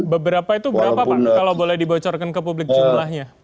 beberapa itu berapa pak kalau boleh dibocorkan ke publik jumlahnya